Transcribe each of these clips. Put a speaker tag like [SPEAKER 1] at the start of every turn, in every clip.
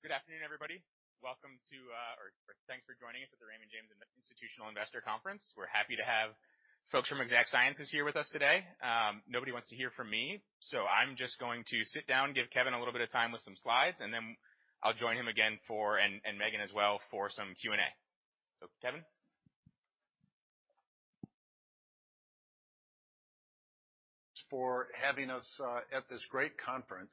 [SPEAKER 1] Good afternoon, everybody. Welcome to, or thanks for joining us at the Raymond James Institutional Investor Conference. We're happy to have folks from Exact Sciences here with us today. Nobody wants to hear from me, so I'm just going to sit down, give Kevin a little bit of time with some slides, and then I'll join him again for Megan as well, for some Q&A. Kevin.
[SPEAKER 2] For having us at this great conference.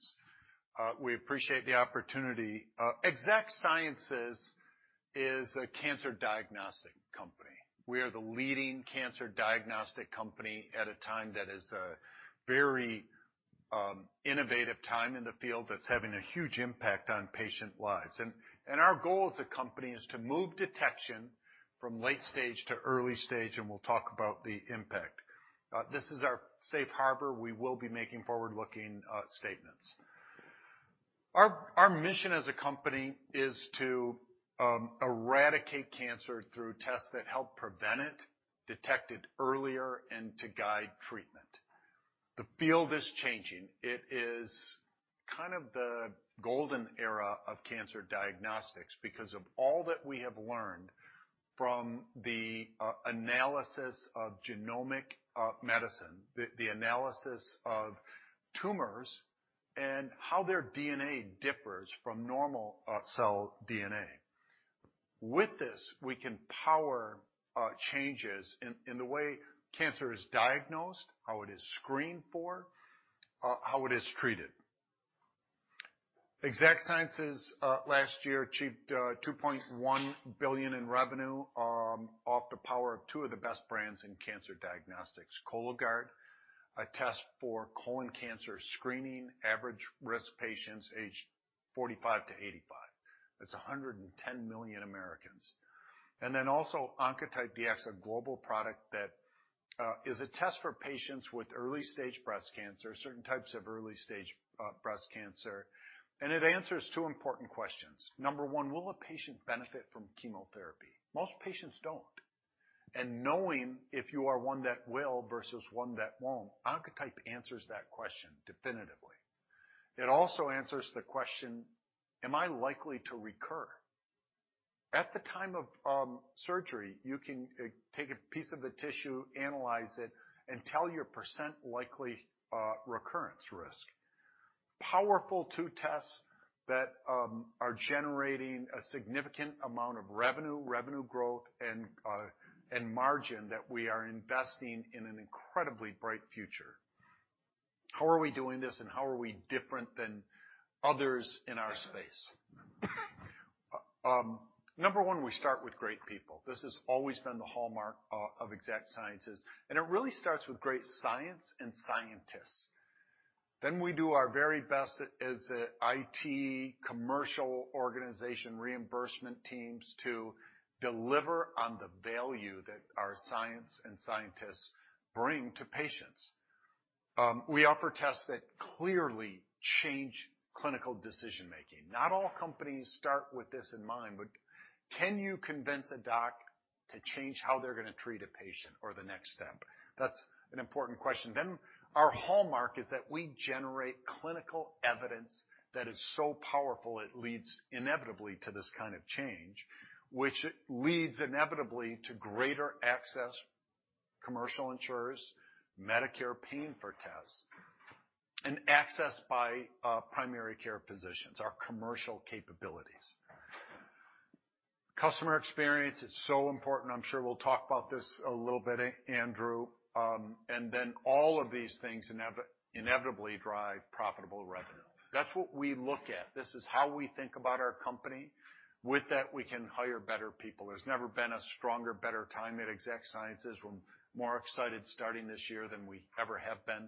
[SPEAKER 2] We appreciate the opportunity. Exact Sciences is a cancer diagnostic company. We are the leading cancer diagnostic company at a time that is a very innovative time in the field that's having a huge impact on patient lives. Our goal as a company is to move detection from late stage to early stage, and we'll talk about the impact. This is our safe harbor. We will be making forward-looking statements. Our mission as a company is to eradicate cancer through tests that help prevent it, detect it earlier, and to guide treatment. The field is changing. It is kind of the golden era of cancer diagnostics because of all that we have learned from the analysis of genomic medicine. The analysis of tumors and how their DNA differs from normal cell DNA. With this, we can power changes in the way cancer is diagnosed, how it is screened for, how it is treated. Exact Sciences last year achieved $2.1 billion in revenue off the power of 2 of the best brands in cancer diagnostics. Cologuard, a test for colon cancer screening, average-risk patients aged 45-85. That's 110 million Americans. Also, Oncotype DX, a global product that is a test for patients with early-stage breast cancer, certain types of early-stage breast cancer. It answers two important questions. Number one, will a patient benefit from chemotherapy? Most patients don't. Knowing if you are one that will versus one that won't, Oncotype answers that question definitively. It also answers the question, am I likely to recur? At the time of surgery, you can take a piece of the tissue, analyze it, and tell your % likely recurrence risk. Powerful 2 tests that are generating a significant amount of revenue growth, and margin that we are investing in an incredibly bright future. How are we doing this and how are we different than others in our space? Number one, we start with great people. This has always been the hallmark of Exact Sciences, and it really starts with great science and scientists. We do our very best as a IT commercial organization reimbursement teams to deliver on the value that our science and scientists bring to patients. We offer tests that clearly change clinical decision-making. Not all companies start with this in mind, but can you convince a doc to change how they're gonna treat a patient or the next step? That's an important question. Our hallmark is that we generate clinical evidence that is so powerful it leads inevitably to this kind of change. Which leads inevitably to greater access, commercial insurers, Medicare paying for tests, and access by primary care physicians, our commercial capabilities. Customer experience, it's so important. I'm sure we'll talk about this a little bit, Andrew. All of these things inevitably drive profitable revenue. That's what we look at. This is how we think about our company. With that, we can hire better people. There's never been a stronger, better time at Exact Sciences. We're more excited starting this year than we ever have been.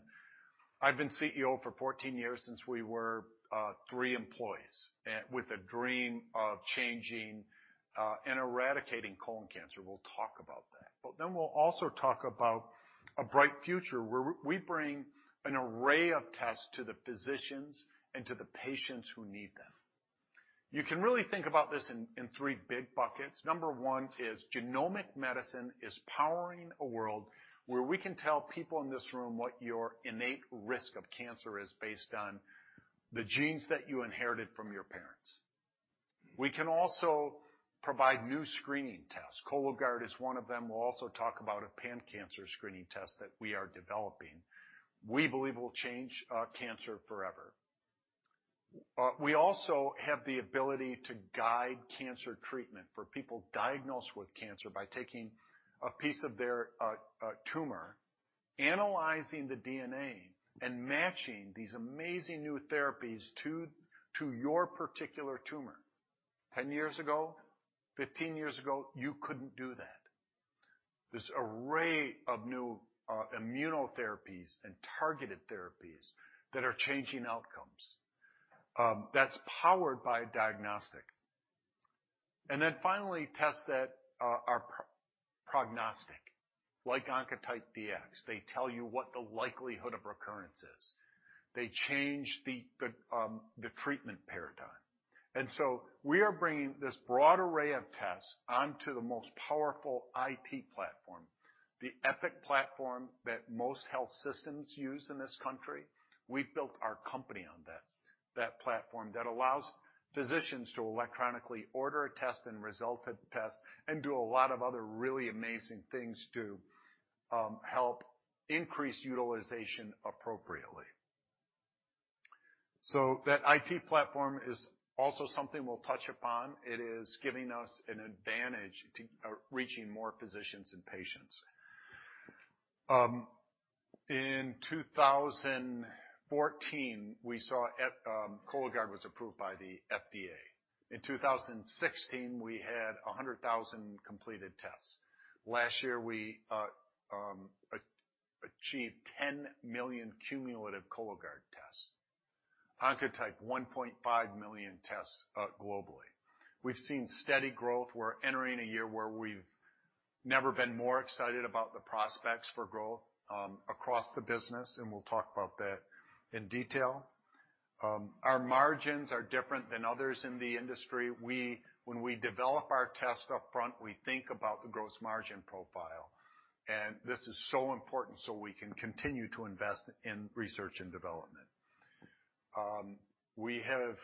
[SPEAKER 2] I've been CEO for 14 years since we were three employees with a dream of changing and eradicating colon cancer. We'll talk about that. We'll also talk about a bright future where we bring an array of tests to the physicians and to the patients who need them. You can really think about this in three big buckets. Number one is genomic medicine is powering a world where we can tell people in this room what your innate risk of cancer is based on the genes that you inherited from your parents. We can also provide new screening tests. Cologuard is one of them. We'll also talk about a pan-cancer screening test that we are developing. We believe will change cancer forever. We also have the ability to guide cancer treatment for people diagnosed with cancer by taking a piece of their tumor, analyzing the DNA, and matching these amazing new therapies to your particular tumor. 10 years ago, 15 years ago, you couldn't do that. This array of new immunotherapies and targeted therapies that are changing outcomes, that's powered by diagnostic. Finally, tests that are pro-prognostic, like Oncotype DX. They tell you what the likelihood of recurrence is. They change the treatment paradigm. We are bringing this broad array of tests onto the most powerful IT platform, the Epic platform that most health systems use in this country. We've built our company on this, that platform that allows physicians to electronically order a test and result that test and do a lot of other really amazing things to help increase utilization appropriately. That IT platform is also something we'll touch upon. It is giving us an advantage to reaching more physicians and patients. In 2014, we saw Cologuard was approved by the FDA. In 2016, we had 100,000 completed tests. Last year, we achieved 10 million cumulative Cologuard tests. Oncotype, 1.5 million tests globally. We've seen steady growth. We're entering a year where we've never been more excited about the prospects for growth across the business, and we'll talk about that in detail. Our margins are different than others in the industry. When we develop our test up front, we think about the gross margin profile. This is so important so we can continue to invest in research and development. We have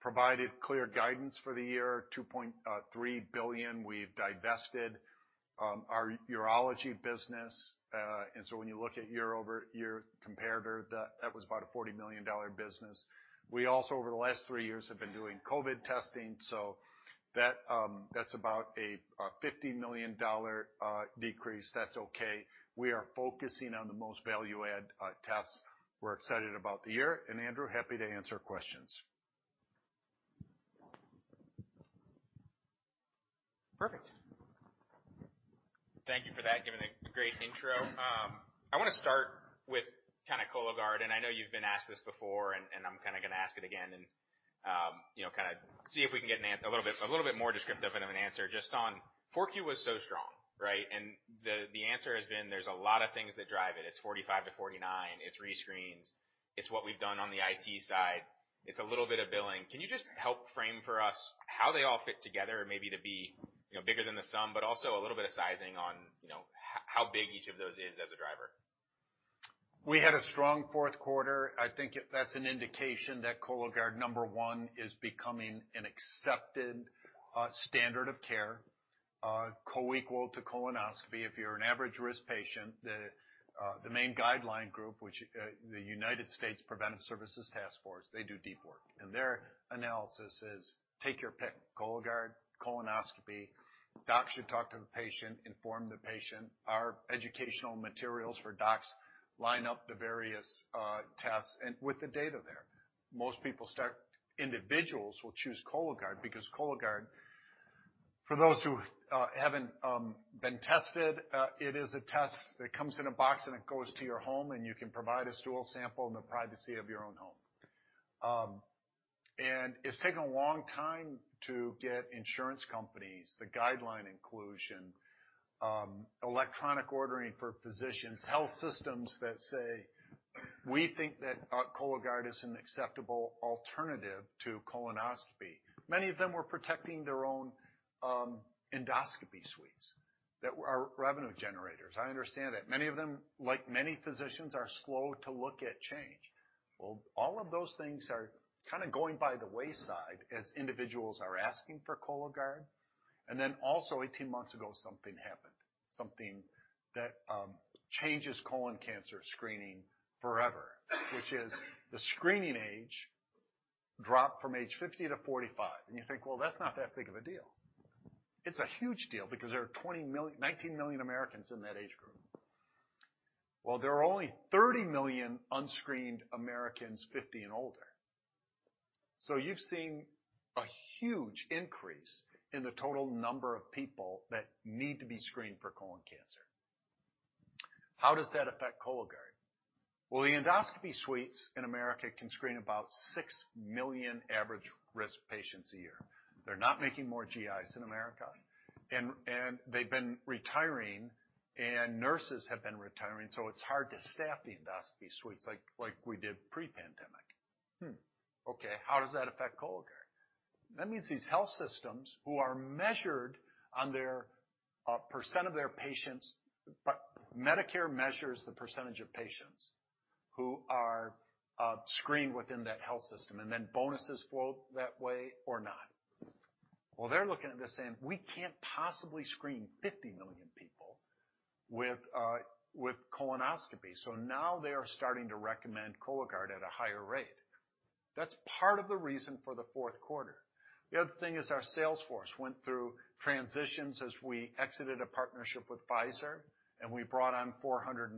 [SPEAKER 2] provided clear guidance for the year, $2.3 billion. We've divested our urology business. When you look at year-over-year comparator, that was about a $40 million business. We also, over the last three years, have been doing COVID testing, that's about a $50 million decrease. That's okay. We are focusing on the most value-add tests. We're excited about the year. Andrew, happy to answer questions.
[SPEAKER 1] Perfect. Thank you for that. Giving a great intro. I wanna start with kinda Cologuard, and I know you've been asked this before, and I'm kinda gonna ask it again, you know, kinda see if we can get a little bit more descriptive of an answer just on 4Q was so strong, right? The answer has been there's a lot of things that drive it. It's 45-49. It rescreens. It's what we've done on the IT side. It's a little bit of billing. Can you just help frame for us how they all fit together maybe to be, you know, bigger than the sum, but also a little bit of sizing on, you know, how big each of those is as a driver?
[SPEAKER 2] We had a strong fourth quarter. I think that's an indication that Cologuard, number one, is becoming an accepted standard of care, co-equal to colonoscopy. If you're an average risk patient, the main guideline group, which the United States Preventive Services Task Force, they do deep work. Their analysis is take your pick, Cologuard, colonoscopy. Doc should talk to the patient, inform the patient. Our educational materials for docs line up the various tests and with the data there. Individuals will choose Cologuard because Cologuard, for those who haven't been tested, it is a test that comes in a box, and it goes to your home, and you can provide a stool sample in the privacy of your own home. It's taken a long time to get insurance companies, the guideline inclusion, electronic ordering for physicians, health systems that say, "We think that Cologuard is an acceptable alternative to colonoscopy." Many of them were protecting their own endoscopy suites that are revenue generators. I understand that. Many of them, like many physicians, are slow to look at change. Well, all of those things are kinda going by the wayside as individuals are asking for Cologuard. Then also 18 months ago, something happened, something that changes colon cancer screening forever, which is the screening age dropped from age 50-45. You think, "Well, that's not that big of a deal." It's a huge deal because there are 19 million Americans in that age group. Well, there are only 30 million unscreened Americans, 50 and older. You've seen a huge increase in the total number of people that need to be screened for colon cancer. How does that affect Cologuard? The endoscopy suites in America can screen about 6 million average risk patients a year. They're not making more GIs in America. They've been retiring, and nurses have been retiring, it's hard to staff the endoscopy suites like we did pre-pandemic. How does that affect Cologuard? That means these health systems who are measured on their % of their patients. Medicare measures the percentage of patients who are screened within that health system, bonuses flow that way or not. They're looking at this saying, "We can't possibly screen 50 million people with colonoscopy." Now they are starting to recommend Cologuard at a higher rate. That's part of the reason for the fourth quarter. The other thing is our sales force went through transitions as we exited a partnership with Pfizer, and we brought on 450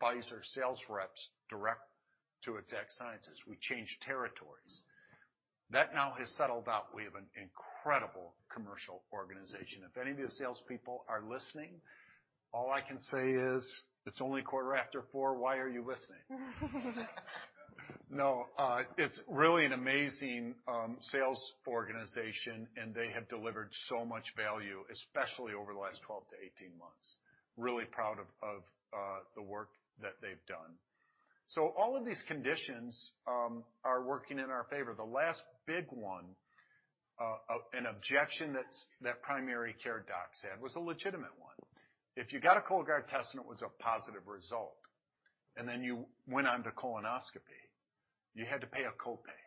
[SPEAKER 2] Pfizer sales reps direct to Exact Sciences. We changed territories. That now has settled out. We have an incredible commercial organization. If any of you salespeople are listening, all I can say is, it's only quarter after four, why are you listening? No, it's really an amazing sales organization, and they have delivered so much value, especially over the last 12-18 months. Really proud of the work that they've done. All of these conditions are working in our favor. The last big one, an objection that's, that primary care docs had, was a legitimate one. If you got a Cologuard test and it was a positive result, and then you went on to colonoscopy, you had to pay a copay,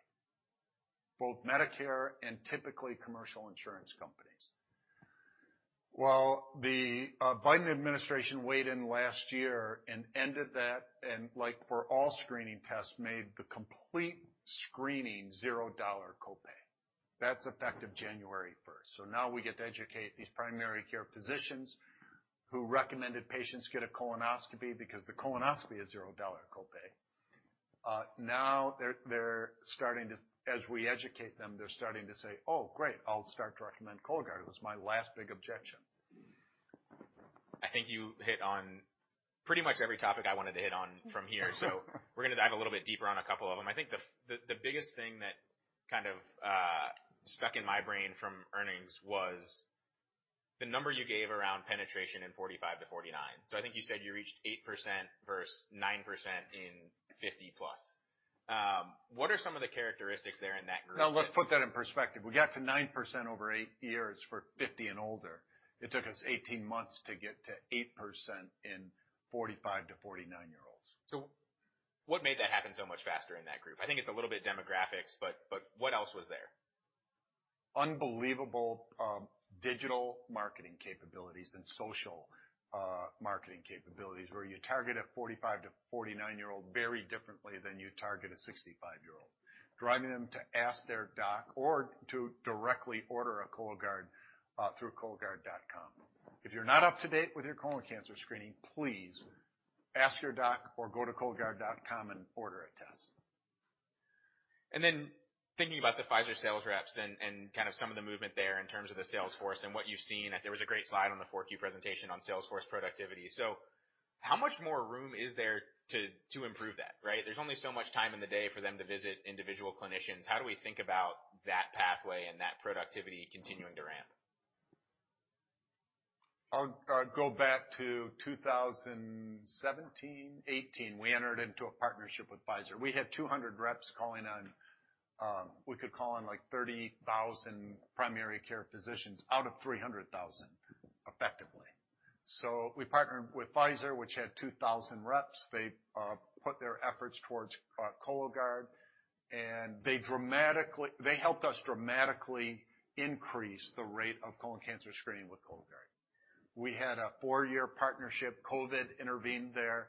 [SPEAKER 2] both Medicare and typically commercial insurance companies. The Biden administration weighed in last year and ended that, and like for all screening tests, made the complete screening $0 copay. That's effective January first. Now we get to educate these primary care physicians who recommended patients get a colonoscopy because the colonoscopy is $0 copay. Now, as we educate them, they're starting to say, "Oh, great, I'll start to recommend Cologuard. It was my last big objection.
[SPEAKER 1] I think you hit on pretty much every topic I wanted to hit on from here. We're gonna dive a little bit deeper on a couple of them. I think the biggest thing that kind of stuck in my brain from earnings was the number you gave around penetration in 45-49. I think you said you reached 8% versus 9% in 50+. What are some of the characteristics there in that group?
[SPEAKER 2] Let's put that in perspective. We got to 9% over eight years for 50 and older. It took us 18 months to get to 8% in 45-49-year-olds.
[SPEAKER 1] What made that happen so much faster in that group? I think it's a little bit demographics, but what else was there?
[SPEAKER 2] Unbelievable, digital marketing capabilities and social marketing capabilities, where you target a 45-49-year-old very differently than you target a 65-year-old. Driving them to ask their doc or to directly order a Cologuard through Cologuard.com. If you're not up to date with your colon cancer screening, please ask your doc or go to Cologuard.com and order a test.
[SPEAKER 1] Thinking about the Pfizer sales reps and kind of some of the movement there in terms of the sales force and what you've seen. There was a great slide on the 4Q presentation on sales force productivity. How much more room is there to improve that, right? There's only so much time in the day for them to visit individual clinicians. How do we think about that pathway and that productivity continuing to ramp?
[SPEAKER 2] I'll go back to 2017, 2018. We entered into a partnership with Pfizer. We had 200 reps calling on. We could call on like 30,000 primary care physicians out of 300,000, effectively. We partnered with Pfizer, which had 2,000 reps. They put their efforts towards Cologuard, they helped us dramatically increase the rate of colon cancer screening with Cologuard. We had a four-year partnership. Covid intervened there.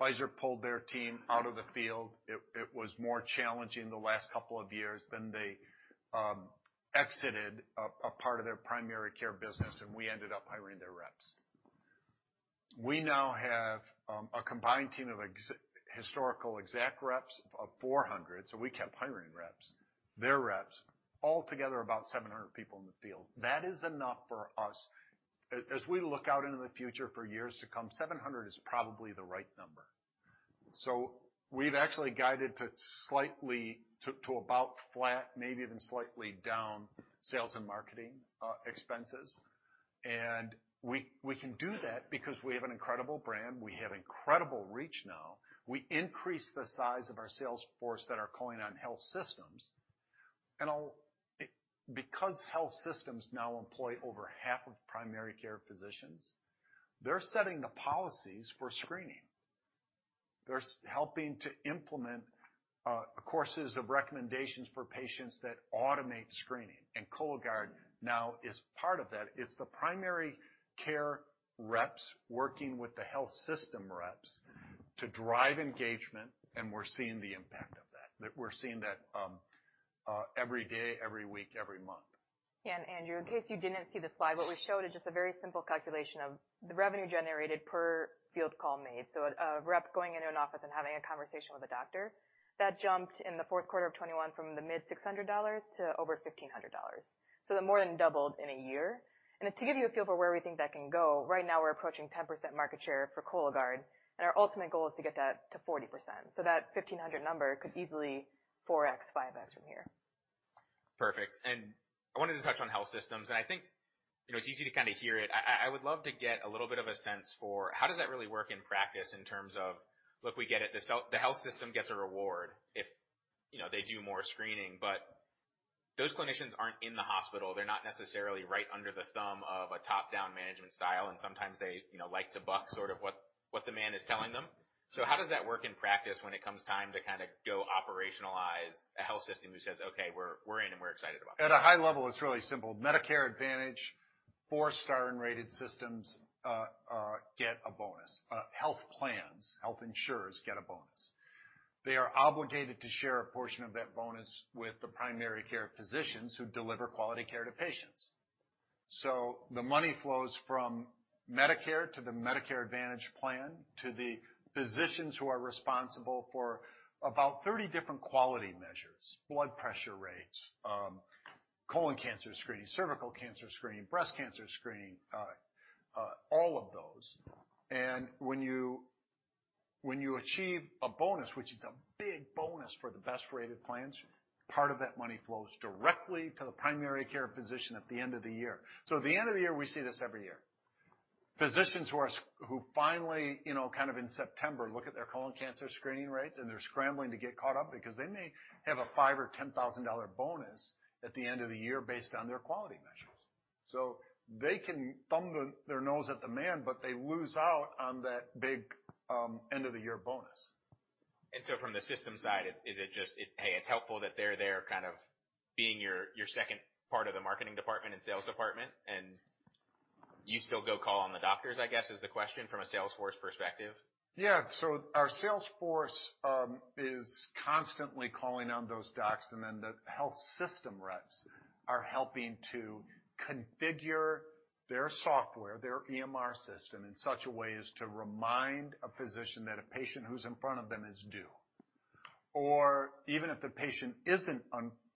[SPEAKER 2] Pfizer pulled their team out of the field. It was more challenging the last couple of years. They exited a part of their primary care business, we ended up hiring their reps. We now have a combined team of historical Exact reps of 400. We kept hiring reps, their reps, all together, about 700 people in the field. That is enough for us. As we look out into the future for years to come, 700 is probably the right number. We've actually guided to slightly to about flat, maybe even slightly down sales and marketing expenses. We can do that because we have an incredible brand. We have incredible reach now. We increase the size of our sales force that are calling on health systems. Because health systems now employ over half of primary care physicians, they're setting the policies for screening. They're helping to implement courses of recommendations for patients that automate screening. Cologuard now is part of that. It's the primary care reps working with the health system reps to drive engagement, and we're seeing the impact of that. We're seeing that, every day, every week, every month.
[SPEAKER 3] Yeah. Andrew, in case you didn't see the slide, what we showed is just a very simple calculation of the revenue generated per field call made. A rep going into an office and having a conversation with a doctor, that jumped in the fourth quarter of 2021 from the mid $600 to over $1,500. That more than doubled in a year. To give you a feel for where we think that can go, right now we're approaching 10% market share for Cologuard, and our ultimate goal is to get that to 40%. That 1,500 number could easily 4x, 5x from here.
[SPEAKER 1] Perfect. I wanted to touch on health systems, and I think, you know, it's easy to kind of hear it. I would love to get a little bit of a sense for how does that really work in practice in terms of, look, we get it, the health system gets a reward if, you know, they do more screening. Those clinicians aren't in the hospital. They're not necessarily right under the thumb of a top-down management style. Sometimes they, you know, like to buck sort of what the man is telling them. How does that work in practice when it comes time to kind of go operationalize a health system who says, "Okay, we're in, and we're excited about this?
[SPEAKER 2] At a high level, it's really simple. Medicare Advantage, four-star and rated systems, get a bonus. Health plans, health insurers get a bonus. They are obligated to share a portion of that bonus with the primary care physicians who deliver quality care to patients. The money flows from Medicare to the Medicare Advantage plan to the physicians who are responsible for about 30 different quality measures, blood pressure rates, colon cancer screening, cervical cancer screening, breast cancer screening, all of those. When you achieve a bonus, which is a big bonus for the best-rated plans, part of that money flows directly to the primary care physician at the end of the year. At the end of the year, we see this every year. Physicians who are who finally, you know, kind of in September, look at their colon cancer screening rates, and they're scrambling to get caught up because they may have a $5,000 or $10,000 bonus at the end of the year based on their quality measures. They can thumb their nose at the man, but they lose out on that big, end-of-the-year bonus.
[SPEAKER 1] From the system side, is it just, hey, it's helpful that they're their kind of being your second part of the marketing department and sales department, and you still go call on the doctors, I guess, is the question from a sales force perspective?
[SPEAKER 2] Our sales force is constantly calling on those docs, and then the health system reps are helping to configure their software, their EMR system, in such a way as to remind a physician that a patient who's in front of them is due. Even if the patient isn't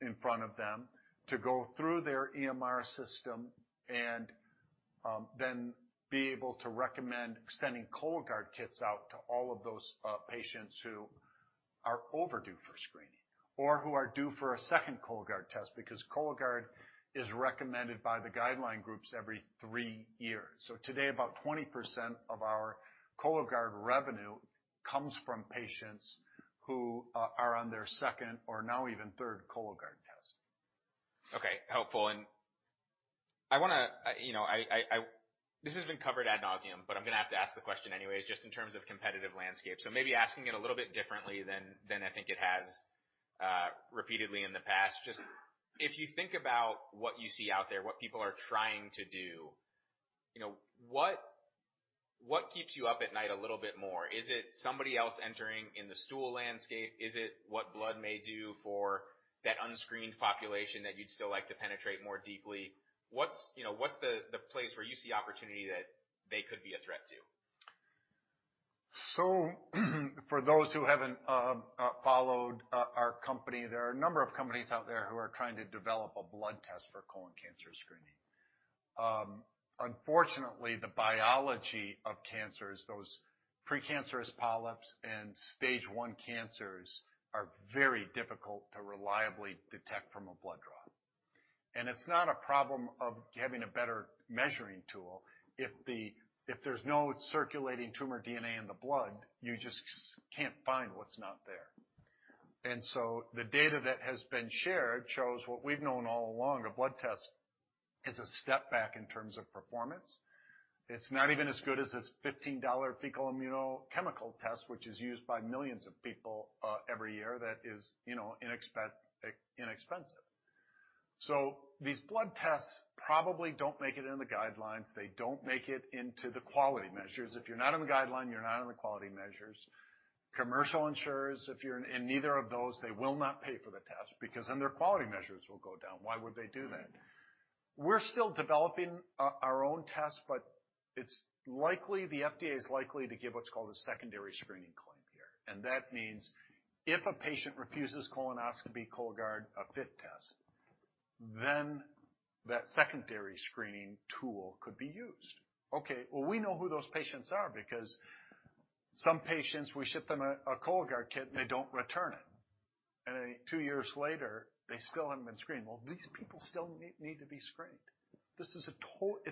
[SPEAKER 2] in front of them, to go through their EMR system and then be able to recommend sending Cologuard kits out to all of those patients who are overdue for screening or who are due for a second Cologuard test, because Cologuard is recommended by the guideline groups every three years. Today, about 20% of our Cologuard revenue comes from patients who are on their second or now even third Cologuard test.
[SPEAKER 1] Okay, helpful. I wanna, you know, this has been covered ad nauseam, but I'm gonna have to ask the question anyway, just in terms of competitive landscape. Maybe asking it a little bit differently than I think it has repeatedly in the past. If you think about what you see out there, what people are trying to do, you know, what keeps you up at night a little bit more? Is it somebody else entering in the stool landscape? Is it what blood may do for that unscreened population that you'd still like to penetrate more deeply? What's, you know, what's the place where you see opportunity that they could be a threat to?
[SPEAKER 2] For those who haven't followed our company, there are a number of companies out there who are trying to develop a blood test for colon cancer screening. Unfortunately, the biology of cancers, those precancerous polyps and stage one cancers, are very difficult to reliably detect from a blood draw. It's not a problem of having a better measuring tool. If there's no circulating tumor DNA in the blood, you just can't find what's not there. The data that has been shared shows what we've known all along, a blood test is a step back in terms of performance. It's not even as good as this $15 fecal immunochemical test, which is used by millions of people every year that is, you know, inexpensive. These blood tests probably don't make it in the guidelines. They don't make it into the quality measures. If you're not in the guideline, you're not in the quality measures. Commercial insurers, if you're in neither of those, they will not pay for the test because then their quality measures will go down. Why would they do that? We're still developing our own test, but it's likely the FDA is likely to give what's called a secondary screening claim here. That means if a patient refuses colonoscopy Cologuard, a FIT test, then that secondary screening tool could be used. Well, we know who those patients are because some patients, we ship them a Cologuard kit, and they don't return it. Then two years later, they still haven't been screened. Well, these people still need to be screened. This is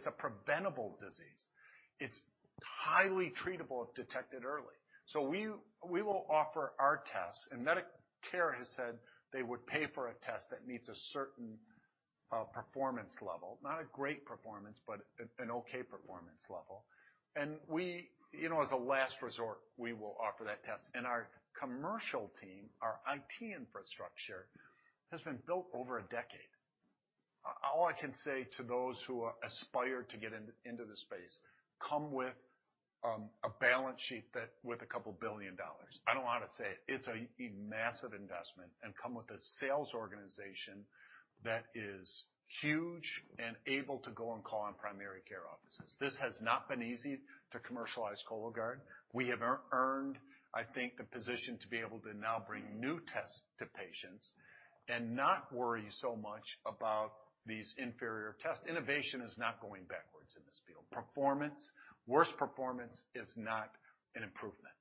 [SPEAKER 2] a preventable disease. It's highly treatable if detected early. We will offer our tests. Medicare has said they would pay for a test that meets a certain performance level, not a great performance, but an okay performance level. We, you know, as a last resort, we will offer that test. Our commercial team, our IT infrastructure, has been built over a decade. All I can say to those who aspire to get into the space, come with a balance sheet with $2 billion. I don't know how to say it. It's a massive investment and come with a sales organization that is huge and able to go and call on primary care offices. This has not been easy to commercialize Cologuard. We have earned, I think, the position to be able to now bring new tests to patients and not worry so much about these inferior tests. Innovation is not going backwards in this field. Performance, worse performance is not an improvement.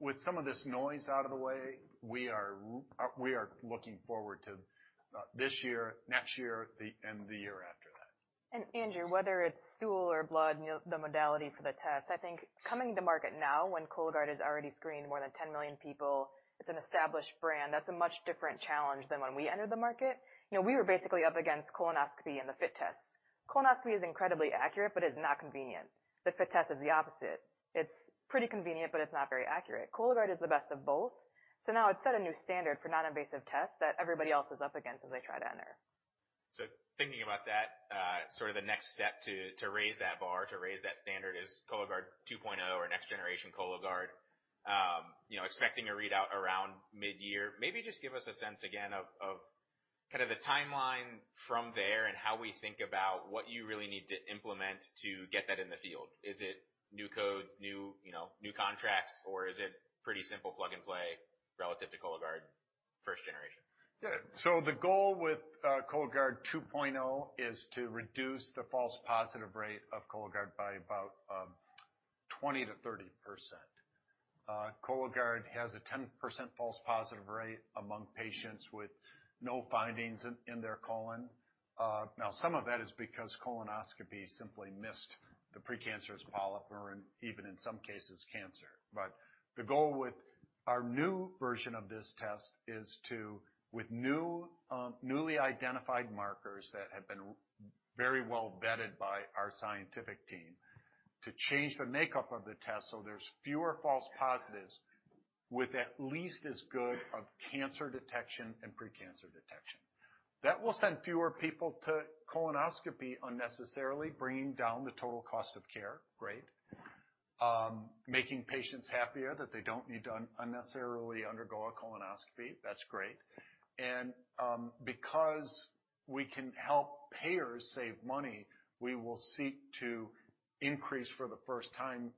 [SPEAKER 2] With some of this noise out of the way, we are looking forward to this year, next year, and the year after that.
[SPEAKER 3] Andrew, whether it's stool or blood, you know, the modality for the test, I think coming to market now when Cologuard has already screened more than 10 million people, it's an established brand. That's a much different challenge than when we entered the market. You know, we were basically up against colonoscopy and the FIT test. Colonoscopy is incredibly accurate, but it's not convenient. The FIT test is the opposite. It's pretty convenient, but it's not very accurate. Cologuard is the best of both. Now it set a new standard for non-invasive tests that everybody else is up against as they try to enter.
[SPEAKER 1] Thinking about that, sort of the next step to raise that bar, to raise that standard is Cologuard 2.0 or next generation Cologuard. You know, expecting a readout around mid-year. Maybe just give us a sense again of kind of the timeline from there and how we think about what you really need to implement to get that in the field. Is it new codes, new, you know, new contracts, or is it pretty simple plug-and-play relative to Cologuard first generation?
[SPEAKER 2] Yeah. The goal with Cologuard 2.0 is to reduce the false positive rate of Cologuard by about 20%-30%. Cologuard has a 10% false positive rate among patients with no findings in their colon. Now some of that is because colonoscopy simply missed the precancerous polyp or even in some cases cancer. The goal with our new version of this test is to, with new, newly identified markers that have been very well vetted by our scientific team, to change the makeup of the test so there's fewer false positives with at least as good of cancer detection and pre-cancer detection. Will send fewer people to colonoscopy unnecessarily, bringing down the total cost of care. Great. Making patients happier that they don't need to unnecessarily undergo a colonoscopy. That's great. Because we can help payers save money, we will seek to increase for the first time,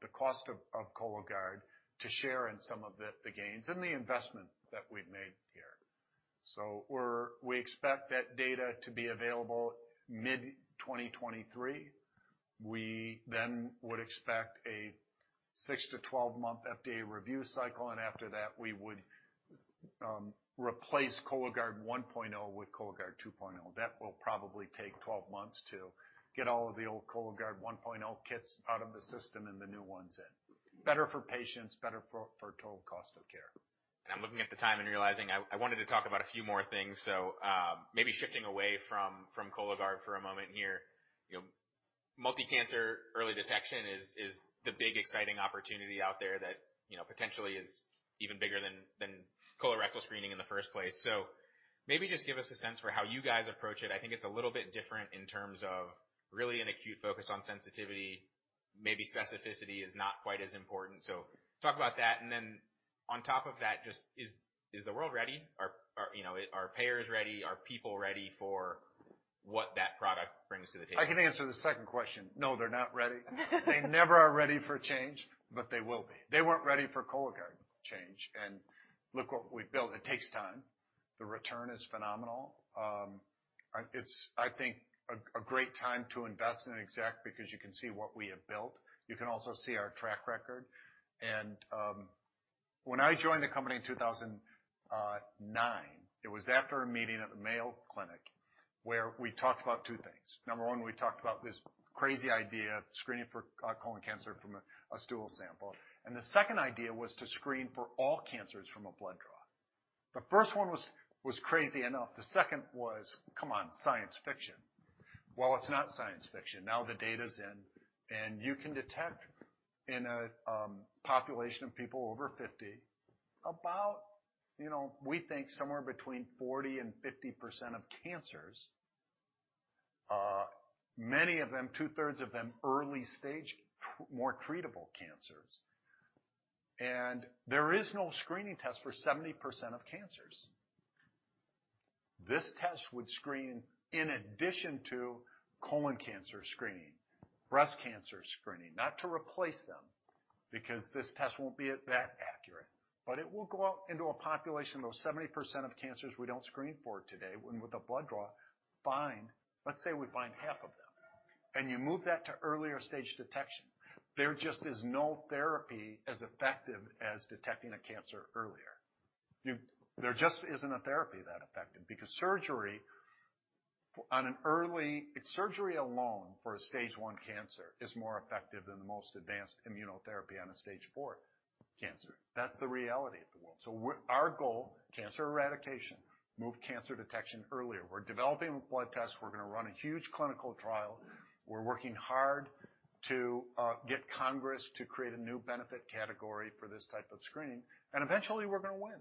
[SPEAKER 2] the cost of Cologuard to share in some of the gains and the investment that we've made here. We expect that data to be available mid-2023. We then would expect a six-12 month FDA review cycle. After that, we would replace Cologuard 1.0 with Cologuard 2.0. That will probably take 12 months to get all of the old Cologuard 1.0 kits out of the system and the new ones in. Better for patients, better for total cost of care.
[SPEAKER 1] I'm looking at the time and realizing I wanted to talk about a few more things. Maybe shifting away from Cologuard for a moment here. You know, multi-cancer early detection is the big exciting opportunity out there that, you know, potentially is even bigger than colorectal screening in the first place. Maybe just give us a sense for how you guys approach it. I think it's a little bit different in terms of really an acute focus on sensitivity. Maybe specificity is not quite as important. Talk about that, and then on top of that, just is the world ready? Are, you know, are payers ready? Are people ready for what that product brings to the table?
[SPEAKER 2] I can answer the second question. No, they're not ready. They never are ready for change, but they will be. They weren't ready for Cologuard change and look what we've built. It takes time. The return is phenomenal. It's, I think a great time to invest in Exact because you can see what we have built. You can also see our track record. When I joined the company in 2009, it was after a meeting at the Mayo Clinic where we talked about two things. Number one, we talked about this crazy idea of screening for colon cancer from a stool sample. The second idea was to screen for all cancers from a blood draw. The first one was crazy enough. The second was, come on, science fiction. Well, it's not science fiction. Now the data's in, you can detect in a population of people over 50 about, you know, we think somewhere between 40% and 50% of cancers. Many of them, 2/3 of them, early-stage, more treatable cancers. There is no screening test for 70% of cancers. This test would screen in addition to colon cancer screening, breast cancer screening, not to replace them, because this test won't be that accurate. It will go out into a population of 70% of cancers we don't screen for today, when with a blood draw, find... Let's say we find half of them, and you move that to earlier stage detection. There just is no therapy as effective as detecting a cancer earlier. There just isn't a therapy that effective because surgery on an early... Surgery alone for a stage one cancer is more effective than the most advanced immunotherapy on a stage four cancer. That's the reality of the world. Our goal, cancer eradication, move cancer detection earlier. We're developing a blood test. We're gonna run a huge clinical trial. We're working hard to get Congress to create a new benefit category for this type of screening, and eventually, we're gonna win.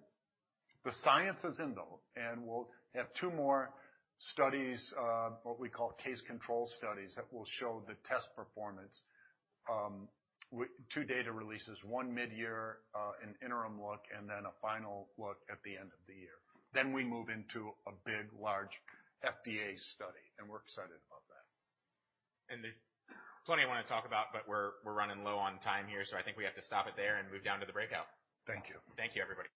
[SPEAKER 2] The science is in, though, and we'll have two more studies, what we call case-control studies, that will show the test performance, two data releases, one mid-year, an interim look, and then a final look at the end of the year. We move into a big, large FDA study, and we're excited about that.
[SPEAKER 1] There's plenty I want to talk about, but we're running low on time here, so I think we have to stop it there and move down to the breakout.
[SPEAKER 2] Thank you.
[SPEAKER 1] Thank you, everybody.